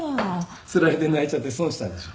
つられて泣いちゃって損したでしょ？